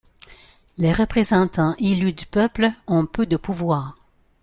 Les représentants élus du peuple ont peu de pouvoir.